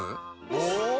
お！